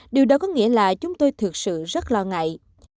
điều đó có nghĩa là chúng tôi thực sự rất lo ngại